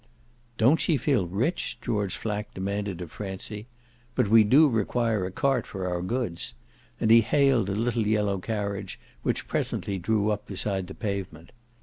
"Don't she feel rich?" George Flack demanded of Francie. "But we do require a cart for our goods"; and he hailed a little yellow carriage, which presently drew up beside the pavement.